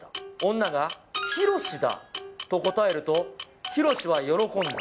女がヒロシだと答えると、ヒロシは喜んだ。